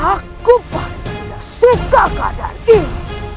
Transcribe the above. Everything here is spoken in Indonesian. aku paling tidak suka keadaan ini